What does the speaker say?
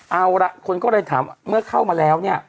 เอาล่ะคนก็เลยถามเมื่อเข้ามาแล้วเนี่ย